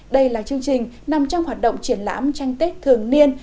đây là chương trình nằm trong hoạt động triển lãm tranh tết thường niên